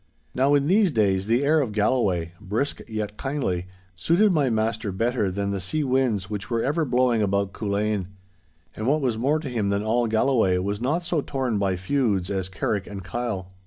Now in these days the air of Galloway, brisk yet kindly, suited my master better than the sea winds which were ever blowing about Culzean. And what was more to him than all Galloway was not so torn by feuds as Carrick and Kyle.